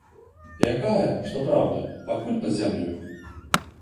Якая, што праўда, пакуль пад зямлёй.